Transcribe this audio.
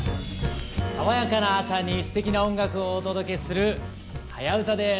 爽やかな朝にすてきな音楽をお届けする「はやウタ」です。